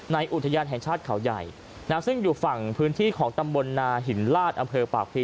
อุทยานแห่งชาติเขาใหญ่ซึ่งอยู่ฝั่งพื้นที่ของตำบลนาหินลาดอำเภอปากพลี